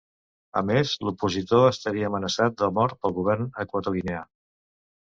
A més, l'opositor estaria amenaçat de mort pel govern equatoguineà.